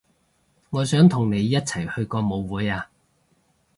我想同你一齊去個舞會啊